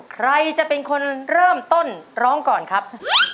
ใครจะเป็นคนเริ่มต้นร้องก่อนครับ